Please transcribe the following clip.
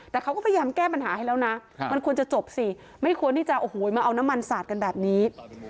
แต่เขาก็พยายามแก้ปัญหาให้แล้วนะมันควรจะจบสิไม่ควรที่จะโอ้โหมาเอาน้ำมันสาดกันแบบนี้